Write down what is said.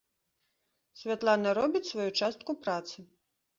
Святлана робіць сваю частку працы.